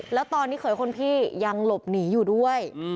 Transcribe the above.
แล้วตอนนี้เขยคนพี่ยังหลบหนีอยู่ด้วย